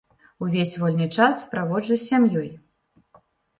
Увесь вольны час праводжу з сям'ёй.